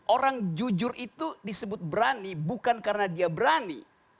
orang jujur itu disebut berani bukan karena dia berani